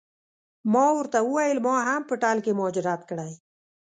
ما ورته وویل ما هم په ټل کې مهاجرت کړی.